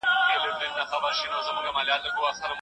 صفوي پاچاهانو د خپلو ګټو لپاره هر څه کول.